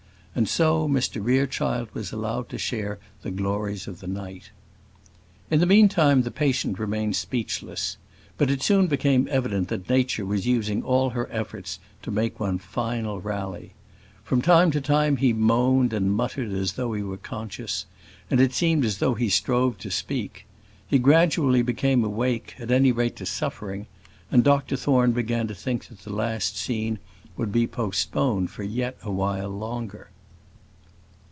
And so Mr Rerechild was allowed to share the glories of the night. In the meantime the patient remained speechless; but it soon became evident that Nature was using all her efforts to make one final rally. From time to time he moaned and muttered as though he was conscious, and it seemed as though he strove to speak. He gradually became awake, at any rate to suffering, and Dr Thorne began to think that the last scene would be postponed for yet a while longer.